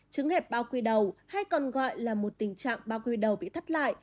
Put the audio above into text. trứng hẹp bao quy đầu hay còn gọi là một tình trạng bao quy đầu bị thắt lại